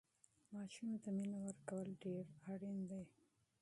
ماسوم ته مینه ورکول ډېر اړین دي.